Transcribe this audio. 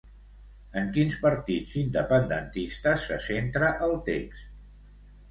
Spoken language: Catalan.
En quins partits independentistes se centra el text?